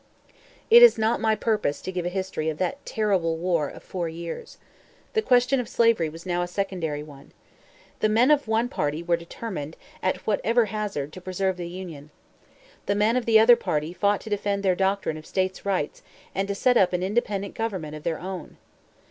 It is not my purpose to give a history of that terrible war of four years. The question of slavery was now a secondary one. The men of one party were determined, at whatever hazard, to preserve the Union. The men of the other party fought to defend their doctrine of States' Rights, and to set up an independent government of their own.